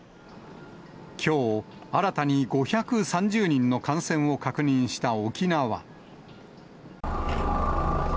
きょう新たに５３０人の感染を確認した沖縄。